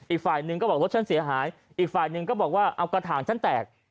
อีกฝ่ายหนึ่งก็บอกรถฉันเสียหายอีกฝ่ายหนึ่งก็บอกว่าเอากระถางฉันแตก